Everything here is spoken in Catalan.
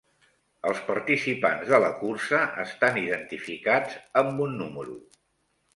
Els participants de la cursa estan identificats amb un número.